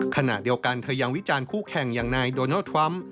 ขณะเดียวกันเธอยังวิจารณ์คู่แข่งอย่างนายโดนัลด์ทรัมป์